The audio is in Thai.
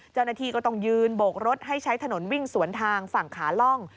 เจ้าหน้าที่ก็ต้องยืนโบกรถให้ใช้ถนนวิ่งสวนทางฝั่งขาล่อง